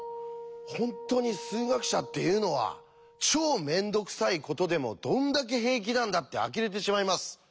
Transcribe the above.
本当に数学者っていうのは超面倒くさいことでもどんだけ平気なんだってあきれてしまいます。